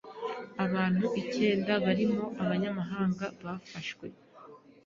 Abantu icyenda barimo abanyamahanga bafashwe